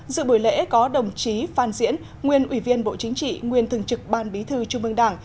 dự buổi lễ có đồng chí phan diễn nguyên ủy viên bộ chính trị nguyên thường trực ban bí thư trung ương đảng